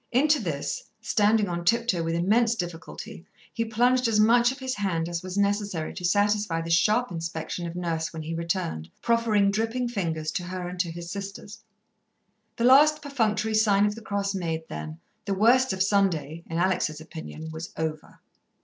Into this, standing on tiptoe with immense difficulty, he plunged as much of his hand as was necessary to satisfy the sharp inspection of Nurse when he returned, proffering dripping fingers to her and to his sisters. The last perfunctory sign of the cross made then, the worst of Sunday, in Alex's opinion, was over.